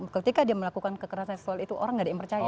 ketika dia melakukan kekerasan seksual itu orang tidak ada yang percaya